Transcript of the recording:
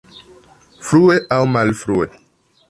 Frue aŭ malfrue!